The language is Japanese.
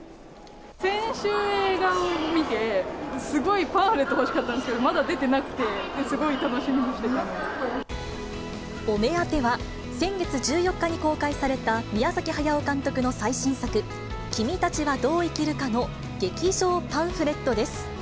先週、映画を見て、すごいパンフレット欲しかったんですけど、まだ出てなくて、すごい楽しみにお目当ては、先月１４日に公開された宮崎駿監督の最新作、君たちはどう生きるかの劇場パンフレットです。